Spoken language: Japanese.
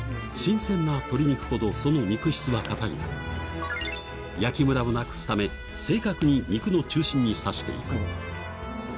新鮮な鶏肉ほどその肉質はかたいが、焼きむらをなくすため、正確に肉の中心に刺していく。